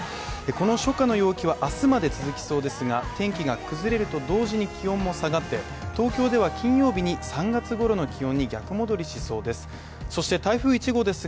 この初夏の陽気は明日まで続きそうですが天気が崩れると同時に気温も下がって東京では金曜日に３月ごろの気温に逆戻りしそうです。